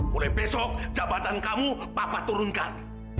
mulai besok jabatan kamu papa turunkan